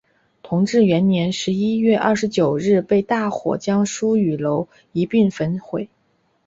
同治元年十一月二十九日被大火将书与楼一并焚毁。